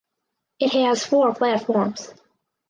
It has four platforms.